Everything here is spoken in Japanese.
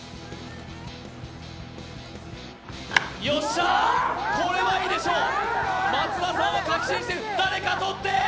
よっしゃ、これはいいでしょう、松田さんは確信している、誰か取って！